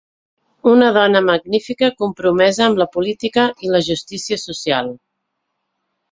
Una dona magnífica compromesa amb la política i la justícia social.